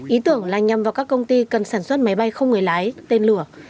ý tưởng là nhằm vào các công ty cần sản xuất máy bay không người lái tên lửa